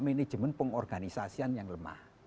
manajemen pengorganisasian yang lemah